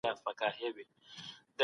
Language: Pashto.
ژوندي اوسئ